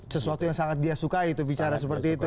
sesuatu yang sangat dia sukai itu bicara seperti itu